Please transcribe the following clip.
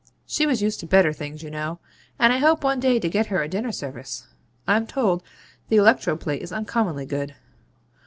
'She was used to better things, you know: and I hope one day to get her a dinner service. I'm told the electro plate is uncommonly good.